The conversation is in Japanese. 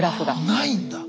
ないんだ。